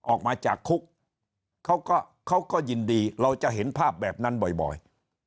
ออกมาจากคุกเขาก็เขาก็ยินดีเราจะเห็นภาพแบบนั้นบ่อย